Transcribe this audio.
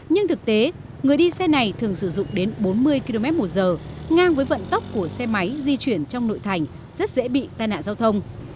nhưng thực tế người đi xe này thường sử dụng đến bốn mươi km một giờ ngang với vận tốc của xe máy di chuyển trong nội thành rất dễ bị tai nạn giao thông